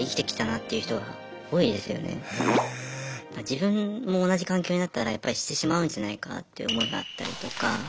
自分も同じ環境になったらやっぱしてしまうんじゃないかっていう思いがあったりとか。